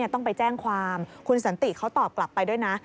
ต้องไปแจ้งความคุณสันติเขาตอบกลับไปด้วยนะ